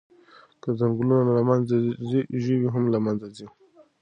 که ځنګلونه له منځه ځي، ژوي هم له منځه ځي.